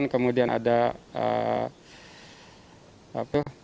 kemudian ada apa